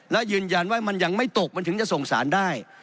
และยืนยันว่ามันยังไม่ตกมันถึงจะส่งสารได้